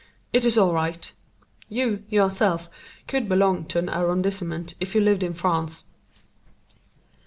It is all right. You, yourself, could belong to an arrondissement if you lived in France.